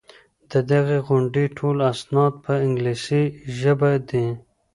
د دغي غونډې ټول اسناد په انګلیسي ژبه دي.